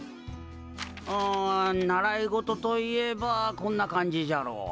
うん習い事といえばこんな感じじゃろ。